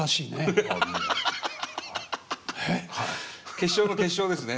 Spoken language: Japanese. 決勝の決勝ですね。